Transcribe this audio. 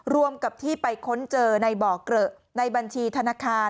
รวมกับที่ไปค้นเจอในบ่อเกลอะในบัญชีธนาคาร